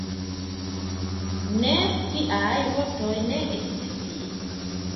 Ne, tiaj vortoj ne ekzistis!